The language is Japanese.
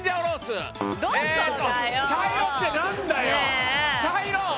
茶色って何だよ！？